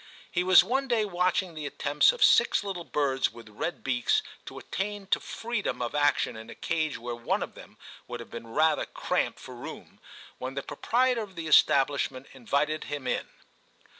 He was one day watching the attempts of six little birds with red beaks to attain to freedom of action in a cage where one of them would have been rather cramped for room, when the proprietor of the establish ment invited him in.